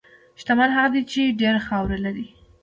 شتمن هغه دی چې ډېره خاوره لري.